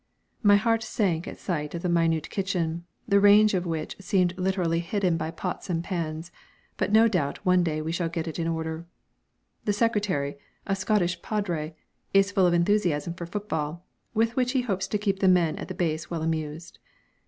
My heart sank at sight of the minute kitchen, the range of which seemed literally hidden by pots and pans; but no doubt one day we shall get it in order. The secretary a Scottish padre is full of enthusiasm for football, with which he hopes to keep the men at the base well amused.